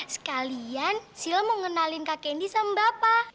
sekalian silah mau ngenalin kak candy sama bapak